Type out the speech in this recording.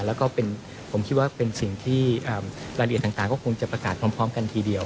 แล้วก็ผมคิดว่าเป็นสิ่งที่รายละเอียดต่างก็คงจะประกาศพร้อมกันทีเดียว